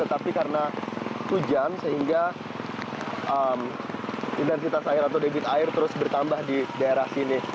tetapi karena hujan sehingga intensitas air atau debit air terus bertambah di daerah sini